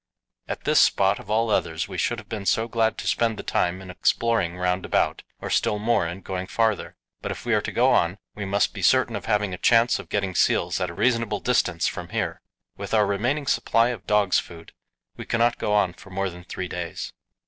At this spot of all others we should have been so glad to spend the time in exploring round about, or still more in going farther. But if we are to go on, we must be certain of having a chance of getting seals at a reasonable distance from here. With our remaining supply of dogs' food we cannot go on for more than three days.